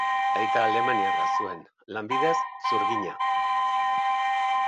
Aita alemaniarra zuen, lanbidez zurgina.